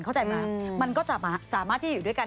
เข้าใจไหมมันก็สามารถที่อยู่ด้วยกัน